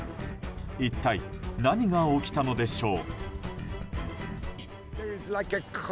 一体何が起きたのでしょう？